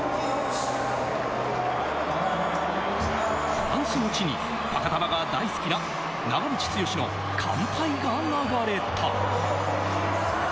フランスの地にファカタヴァが大好きな長渕剛の『乾杯』が流れた。